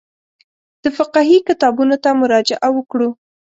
د فقهي کتابونو ته مراجعه وکړو.